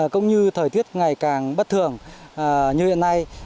cũng như thời tiết ngày càng bất thường như hiện nay